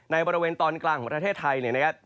บริเวณตอนกลางของประเทศไทยเนี่ยนะครับ